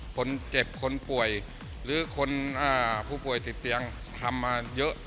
คนเจ็บคนป่วยหรือคนผู้ป่วยติดเตียงทำมาเยอะ